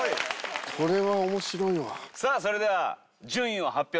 これは面白いわ。